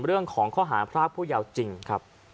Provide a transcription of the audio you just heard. เรื่องของข้อหาพรากผู้ยาวจริงครับ